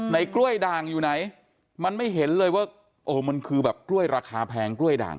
กล้วยด่างอยู่ไหนมันไม่เห็นเลยว่าโอ้โหมันคือแบบกล้วยราคาแพงกล้วยด่าง